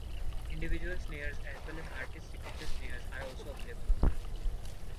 Individual snares, as well as artists' signature snares, are also available.